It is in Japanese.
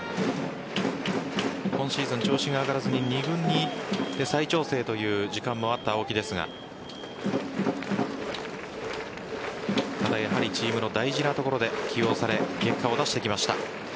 今シーズン調子が上がらずに２軍で再調整という時間もあった青木ですがただ、やはりチームの大事なところで起用され結果を出してきました。